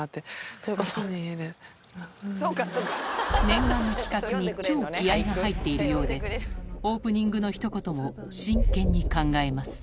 念願の企画に超気合が入っているようでオープニングのひと言も真剣に考えます